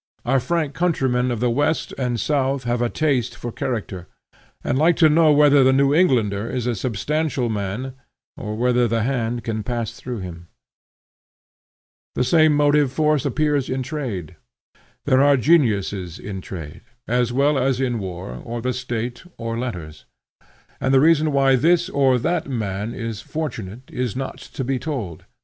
Our frank countrymen of the west and south have a taste for character, and like to know whether the New Englander is a substantial man, or whether the hand can pass through him. The same motive force appears in trade. There are geniuses in trade, as well as in war, or the State, or letters; and the reason why this or that man is fortunate is not to be told.